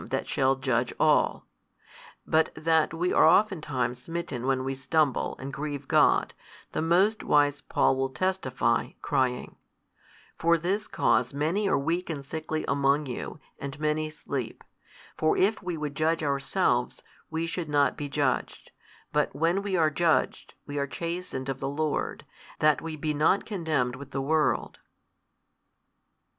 That shall judge all. But that we are oftentimes smitten when we stumble and grieve God, the most wise Paul will testify, crying, For this cause many are weak and sickly among you, and many sleep: for if we would judge ourselves, we should not be judged: but when we are judged, we are chastened of the Lord, thai we be not condemned with the world.